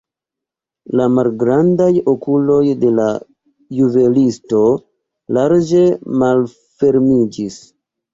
La malgrandaj okuloj de la juvelisto larĝe malfermiĝis.